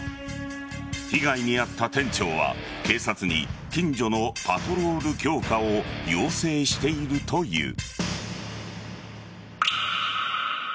被害に遭った店長は、警察に近所のパトロール強化を要請しているという。